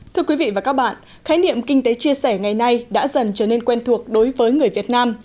thưa quý vị và các bạn khái niệm kinh tế chia sẻ ngày nay đã dần trở nên quen thuộc đối với người việt nam